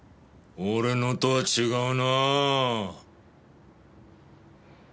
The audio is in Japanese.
俺のとは違うなぁ。